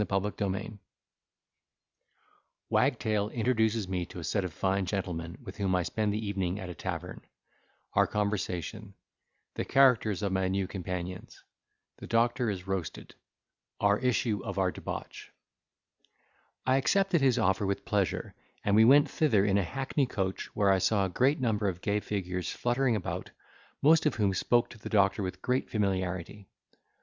CHAPTER XLVI Wagtail introduces me to a set of fine Gentlemen with whom I spend the Evening at a Tavern—our Conversation—the Characters of my new Companions—the Doctor is roasted—our Issue of our Debauch I accepted his offer with pleasure, and we went thither in a hackney coach where I saw a great number of gay figures fluttering about, most of whom spoke to the doctor with great familiarity.